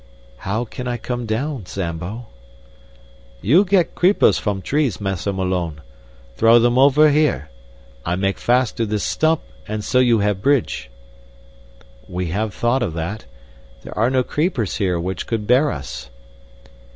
"How can I come down, Zambo?" "You get creepers from trees, Massa Malone. Throw them over here. I make fast to this stump, and so you have bridge." "We have thought of that. There are no creepers here which could bear us."